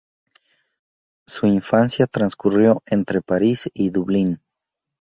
Su infancia transcurrió entre París y Dublín.